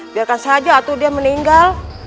biarkan saja atau dia meninggal